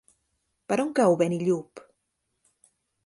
Per on cau Benillup?